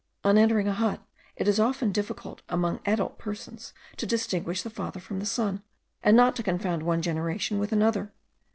On entering a hut, it is often difficult among adult persons to distinguish the father from the son, and not to confound one generation with another.